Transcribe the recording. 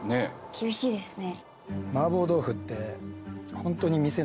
厳しいですね。